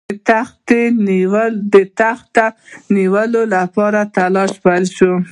تخت د نیولو لپاره تلاښ پیل کړ.